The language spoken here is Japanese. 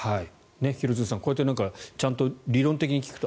廣津留さん、こうやってちゃんと理論的に聞くと